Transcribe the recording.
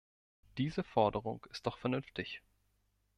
Diese Forderung ist doch vernünftig!